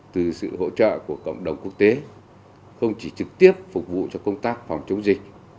từ sự hỗ trợ của cộng đồng quốc tế không chỉ trực tiếp phục vụ cho công tác phòng chống dịch